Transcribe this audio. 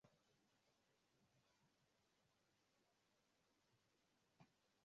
kushambulia jiji la bar sheba maili ishirini hivi kutoka jijini gaza basi mpenzi msikilizaji